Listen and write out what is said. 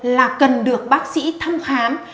là cần được bác sĩ thăm khám